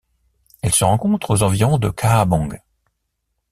Elle se rencontre aux environs de Kaabong.